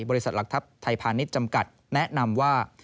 บริษัทหลักทัพไทยพาณิชย์จำกัดแนะนำว่า